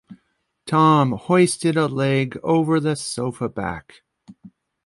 Tom hoisted a leg over the sofa-back.